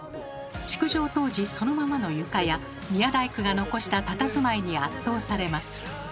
築城当時そのままの床や宮大工が残したたたずまいに圧倒されます。